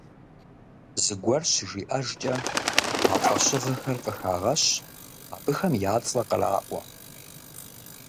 Зыгуэр щыжиӀэжкӀэ, а фӀэщыгъэхэр къыхагъэщ, абыхэм я цӀэ къраӀуэ.